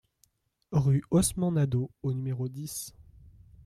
Rue Osman Nadeau au numéro dix